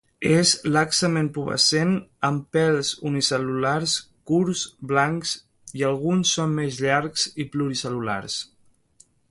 És laxament pubescent amb pèls unicel·lulars curts, blancs i alguns són més llargs i pluricel·lulars.